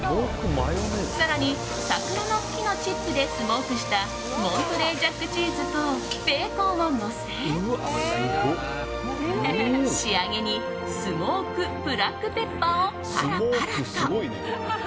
更に、桜の木のチップでスモークしたモントレージャックチーズとベーコンをのせ仕上げにスモークブラックペッパーをパラパラと。